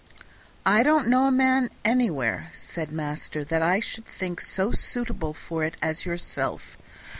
"I don't know a man anywhere," said master, "that I should think so suitable for it as yourself.